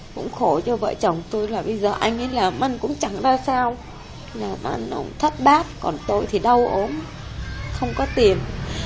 cũng khổ cho vợ chồng tôi là bây giờ anh ấy làm ăn cũng chẳng ra sao là nó thất bát còn tôi thì đau ốm không có tiền